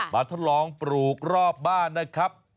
ทดลองปลูกรอบบ้านนะครับ